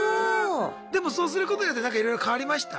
でもそうすることによってなんかいろいろ変わりました？